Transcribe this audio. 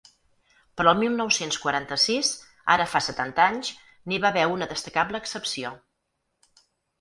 Però el mil nou-cents quaranta-sis, ara fa setanta anys, n’hi va haver una destacable excepció.